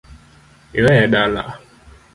Iweye dala?